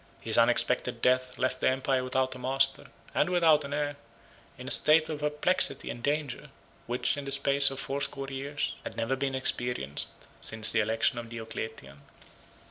His unexpected death left the empire without a master, and without an heir, in a state of perplexity and danger, which, in the space of fourscore years, had never been experienced, since the election of Diocletian.